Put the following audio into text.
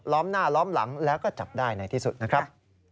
้อมหน้าล้อมหลังแล้วก็จับได้ในที่สุดนะครับ